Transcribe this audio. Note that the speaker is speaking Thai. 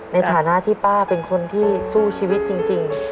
ในฐานะที่ป้าเป็นคนที่สู้ชีวิตจริง